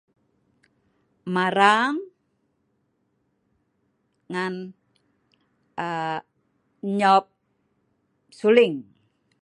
Marang ngan aa nyiop suling